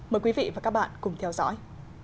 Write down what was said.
mời quý vị và các bạn cùng theo dõi